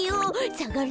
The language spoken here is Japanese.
さがれ。